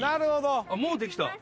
もうできた。